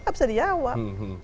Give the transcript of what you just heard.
nggak bisa dijawab